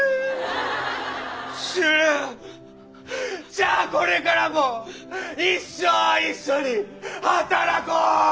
じゃあこれからも一生一緒に働こう！